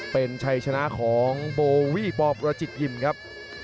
เป็นชัยชนะของโบวี่ปประจิตยิมครับ